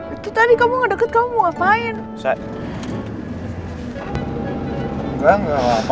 aku masih harus sembunyikan masalah lo andin dari mama